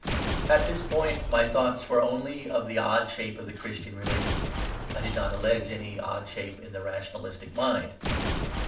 At this point my thoughts were only of the odd shape of the Christian religion; I did not allege any odd shape in the rationalistic mind.